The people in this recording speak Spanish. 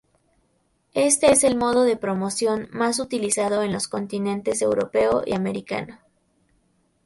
Este es el modo de promoción más utilizado en los continentes europeo y americano.